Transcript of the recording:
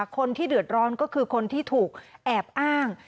คนที่เดือดร้อนก็คือคนที่ถูกแอบอ้าง